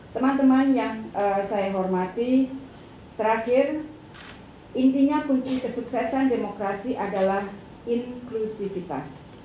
teman teman yang saya hormati terakhir intinya kunci kesuksesan demokrasi adalah inklusivitas